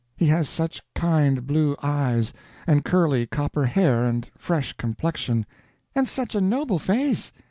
He has such kind blue eyes, and curly copper hair and fresh complexion " "And such a noble face!